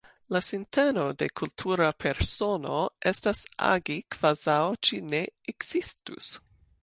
La sinteno de kultura persono estas agi kvazaŭ ĝi ne ekzistus.